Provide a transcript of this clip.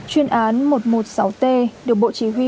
chuyên án một trăm một mươi sáu t được bộ chỉ huy